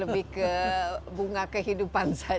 bukan bunga kehidupan saja